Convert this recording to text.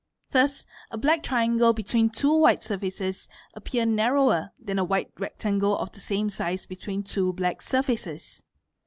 Thus a black rectangle between two white surfaces appears narrower than a white rectangle of the same size be tween two black surfaces.